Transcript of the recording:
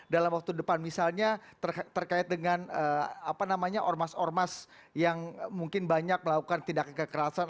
dalam waktu depan misalnya terkait dengan ormas ormas yang mungkin banyak melakukan tindakan kekerasan